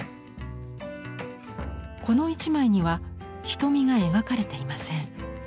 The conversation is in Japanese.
この一枚には瞳が描かれていません。